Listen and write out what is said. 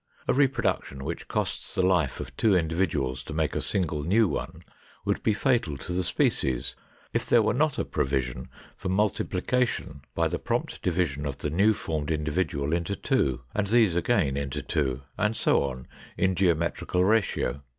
A reproduction which costs the life of two individuals to make a single new one would be fatal to the species if there were not a provision for multiplication by the prompt division of the new formed individual into two, and these again into two, and so on in geometrical ratio.